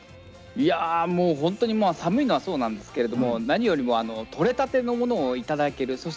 いやもうほんとに寒いのはそうなんですけれども何よりもとれたてのものを頂ける。